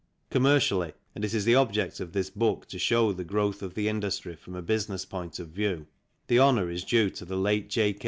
Commercially and it is the object of this book to show the growth of the industry from a business view point the honour is due to the late J.